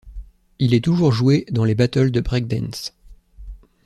Il est toujours joué dans les battles de breakdance.